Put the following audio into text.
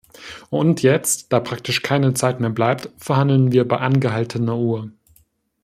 Und jetzt, da praktisch keine Zeit mehr bleibt, verhandeln wir bei angehaltener Uhr.